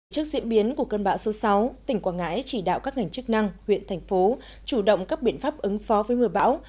trước diễn biến của cơn bão số sáu tỉnh quảng ngãi chỉ đạo các ngành chức năng huyện thành phố chủ động các biện pháp ứng phó với mưa bão